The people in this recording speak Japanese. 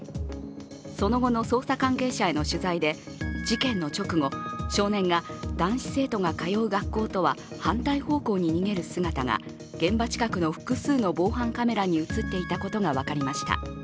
その後の捜査関係者への取材で、事件の直後、少年が男子生徒が通う学校とは反対方向に逃げる姿が現場近くの複数の防犯カメラに映っていたことが分かりました。